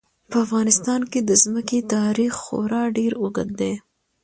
په افغانستان کې د ځمکه تاریخ خورا ډېر اوږد دی.